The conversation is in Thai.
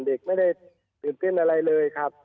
เด็กไม่ได้ตื่นเต้นอะไรเลยครับ